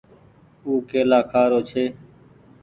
او ڪيلآ ڪآ کآ رو ڇي ۔